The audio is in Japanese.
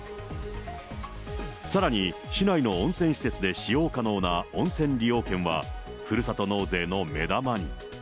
さらに、市内の温泉施設で使用可能な温泉利用券は、ふるさと納税の目玉に。